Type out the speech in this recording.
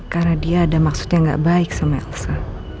karena dia ada maksud yang gak baik sama elsa